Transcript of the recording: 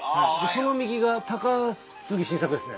その右が高杉晋作ですね。